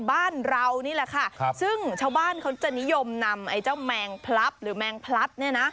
บ้านเรานี่แหละค่ะซึ่งชาวบ้านเขาจะนิยมนำไอ้เจ้าแมงพลับหรือแมงพลัดเนี่ยนะ